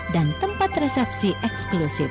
dan tempat transitioning eksklusif